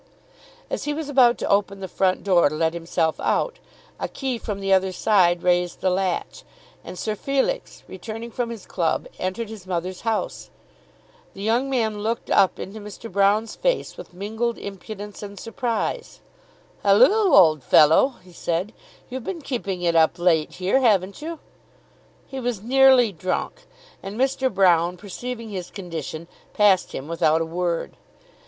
As he was about to open the front door to let himself out, a key from the other side raised the latch, and Sir Felix, returning from his club, entered his mother's house. The young man looked up into Mr. Broune's face with mingled impudence and surprise. "Halloo, old fellow," he said, "you've been keeping it up late here; haven't you?" He was nearly drunk, and Mr. Broune, perceiving his condition, passed him without a word.